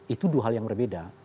itu dua hal yang berbeda